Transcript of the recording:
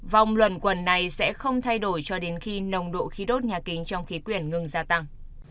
vòng luận quẩn này sẽ không thay đổi cho đến khi nồng độ khí đốt nhà kính trong khí quyển ngừng gia tăng